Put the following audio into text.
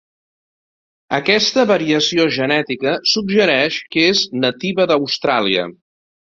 Aquesta variació genètica suggereix que és nativa d'Austràlia.